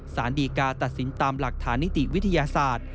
สารดีกาตัดสินตามหลักฐานนิติวิทยาศาสตร์